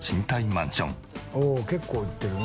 おお結構いってるね。